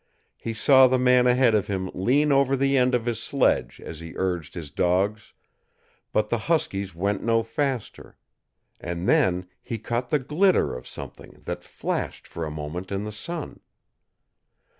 He saw the man ahead of him lean over the end of his sledge as he urged his dogs, but the huskies went no faster; and then he caught the glitter of something that flashed for a moment in the sun.